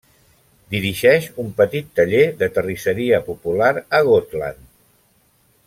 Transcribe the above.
Dirigeix un petit taller de terrisseria popular a Gotland.